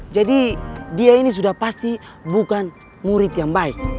jadi dia ini sudah pasti bukan murid yang baik